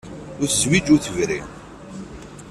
Ur tezwiǧ ur tebri.